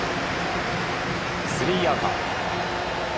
スリーアウト。